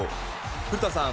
古田さん